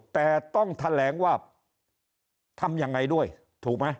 แต่ต้องแถลงว่าทำยังไงด้วยถูกไหม